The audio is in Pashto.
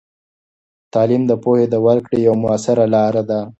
تعلیم د پوهې د ورکړې یوه مؤثره لاره ده.